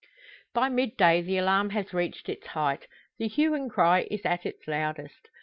By midday the alarm has reached its height the hue and cry is at its loudest.